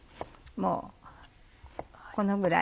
もうこのぐらい。